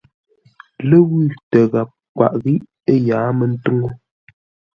Ləwʉ̂ tə́ ghap kwaʼ ghíʼ ə́ yǎa mə́ ntúŋu.